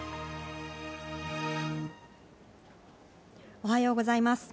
おはようございます。